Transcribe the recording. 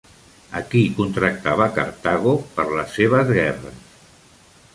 A qui contractava Cartago per les seves guerres?